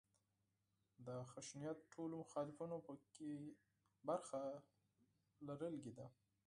د خشونت ټولو مخالفانو په کې برخه لرلې ده.